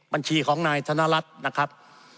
บัญชีของนายธนรัฐนะครับ